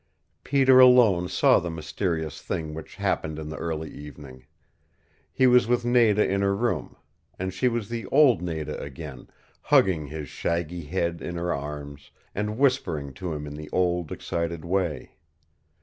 Peter alone saw the mysterious thing which happened in the early evening. He was with Nada in her room. And she was the old Nada again, hugging his shaggy head in her arms, and whispering to him in the old, excited way.